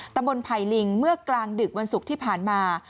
ตำบลไผ่ลิงเมื่อกลางดึกวันศุกร์ที่ผ่านมา